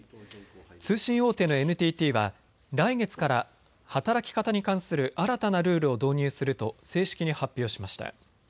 通信大手のＮＴＴは来月から働き方に関する新たなルールを導入すると正式に発表しました。